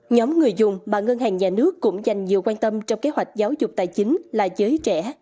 nhóm người dùng mà ngân hàng nhà nước cũng dành nhiều quan tâm trong kế hoạch giáo dục tài chính là giới trẻ